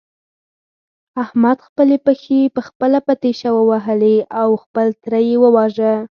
احمد خپلې پښې په خپله په تېشه ووهلې او خپل تره يې وواژه.